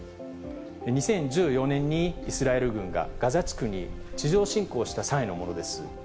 ２０１４年にイスラエル軍がガザ地区に地上侵攻した際のものです。